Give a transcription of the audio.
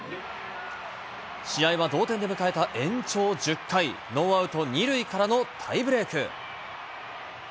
試合は同点で迎えた延長１０回、ノーアウト２塁からのタイブレーク。